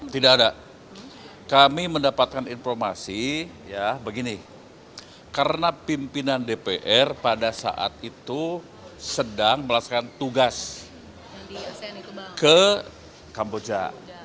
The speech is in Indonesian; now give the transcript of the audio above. tidak ada kami mendapatkan informasi ya begini karena pimpinan dpr pada saat itu sedang melaksanakan tugas ke kamboja